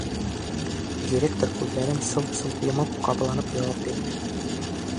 Директор күҙҙәрен сылт-сылт йомоп ҡабаланып яуап бирҙе.